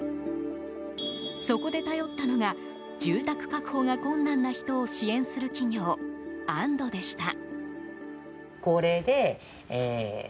そこで頼ったのが住宅確保が困難な人を支援する企業、あんどでした。